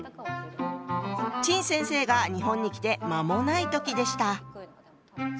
陳先生が日本に来て間もない時でした。